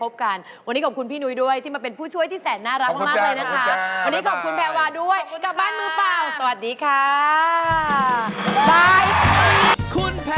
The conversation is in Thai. ขอบคุณพี่นุ้ยด้วยที่มาเป็นผู้ช่วยที่แสนน่ารักมากเลยนะคะ